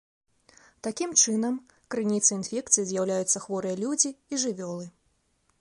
Такім чынам, крыніцай інфекцыі з'яўляюцца хворыя людзі і жывёлы.